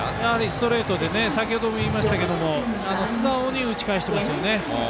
ストレートで先ほども言いましたけど素直に打ち返しています。